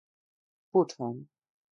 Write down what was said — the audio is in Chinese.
不疼